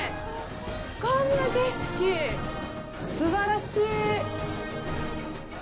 こんな景色、すばらしい！